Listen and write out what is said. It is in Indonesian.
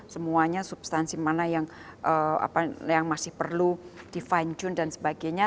semuanya substansi mana yang masih perlu di fine tune dan sebagainya